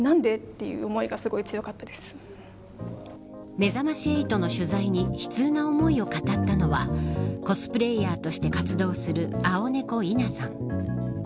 めざまし８の取材に悲痛な思いを語ったのはコスプレイヤーとして活動する蒼猫いなさん。